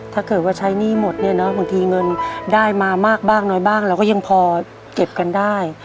ถ้าเกิดว่าใช้หนี้หมดเนี่ยเนาะบางทีเงินได้มามากบ้างน้อยบ้างเราก็ยังพอเก็บกันได้